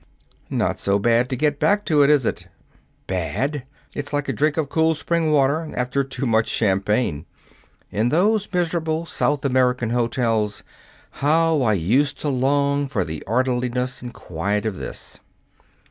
"Not so bad to get back to it, is it?" "Bad! It's like a drink of cool spring water after too much champagne. In those miserable South American hotels, how I used to long for the orderliness and quiet of this!"